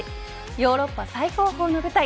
ヨーロッパ最高峰の舞台